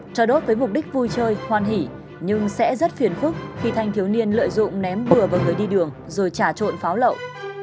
cho đốt với mục đích vui chơi hoàn hỷ nhưng sẽ rất phiền phúc khi thanh thiếu niên lợi dụng ném bừa vào người đi đường rồi trả trộn pháo lậu